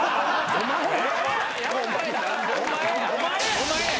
お前や。